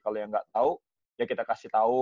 kalau yang nggak tahu ya kita kasih tahu